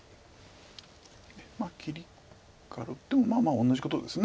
まあ切りからでもまあまあ同じことです。